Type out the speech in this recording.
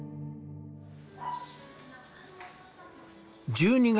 １２月。